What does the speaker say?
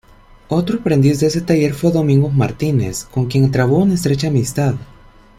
Otro aprendiz de ese taller fue Domingo Martínez, con quien trabó una estrecha amistad.